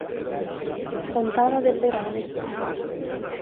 Fontana delle Rane